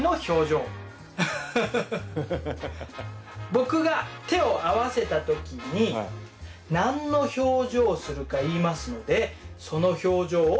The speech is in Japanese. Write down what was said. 僕が手を合わせた時に何の表情をするか言いますのでその表情を作ってみて下さい。